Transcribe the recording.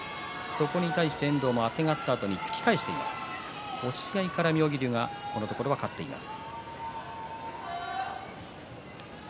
そこに対して遠藤もあてがったあと突き返して押し合いから妙義龍はこのところ勝っています。